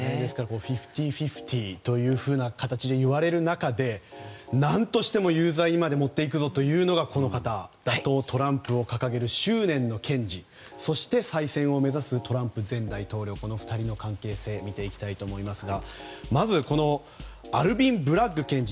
フィフティーフィフティーという形で言われる中で何としても有罪にまで持っていくぞというのが、この方打倒トランプを掲げる執念の検事そして再選を目指すトランプ前大統領の２人の関係性を見ていきたいと思いますがまずアルビン・ブラッグ検事